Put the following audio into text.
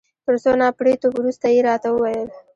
تر څو نا پړيتو وروسته يې راته وویل.